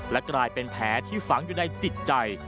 และกลายเป็นแผลที่ฝังอยู่ในจิตใจ